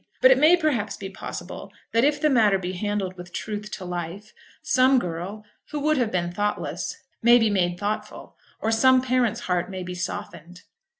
But it may perhaps be possible that if the matter be handled with truth to life, some girl, who would have been thoughtless, may be made thoughtful, or some parent's heart may be softened.